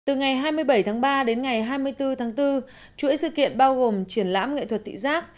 từ ngày hai mươi bảy tháng ba đến ngày hai mươi bốn tháng bốn chuỗi sự kiện bao gồm triển lãm nghệ thuật thị giác